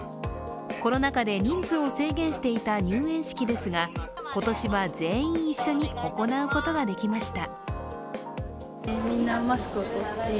コロナ禍で人数を制限していた入園式ですが、今年は全員一緒に行うことができました。